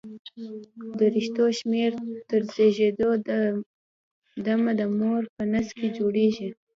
د رشتو شمېر تر زېږېدو د مه د مور په نس کې جوړېږي.